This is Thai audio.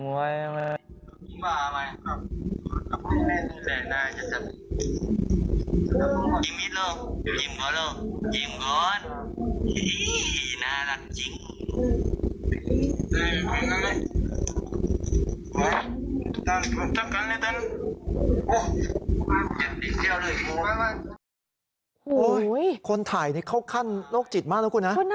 อุ๊ยคนถ่ายเข้าขั้นโรคจิตมากนะคุณฮะ